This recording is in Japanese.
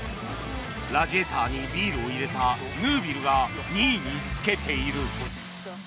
ラジエーターにビールを入れたヌービルが２位につけている。